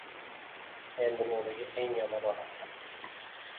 Men dunyodagi eng yomon odamman.